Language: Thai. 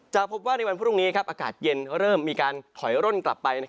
พบว่าในวันพรุ่งนี้อากาศเย็นเริ่มมีการถอยร่นกลับไป